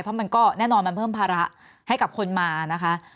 เพราะมันก็แน่นอนมันเพิ่มภาระให้กับคนมานะคะ